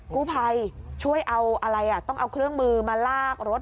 กู้ภัยช่วยเอาอะไรอ่ะต้องเอาเครื่องมือมาลากรถ